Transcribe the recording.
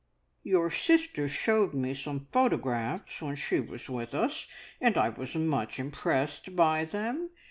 "Your sister showed me some photographs when she was with us, and I was much impressed by them.